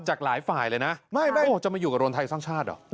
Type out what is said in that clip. จากหลายฝ่ายเลยนะไม่โอ้จะมาอยู่กับรวมไทยสร้างชาติเหรอ